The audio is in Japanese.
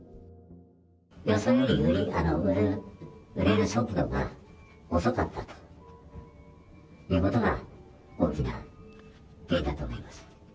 予想より売れる速度が遅かったということが、大きな原因だと思います。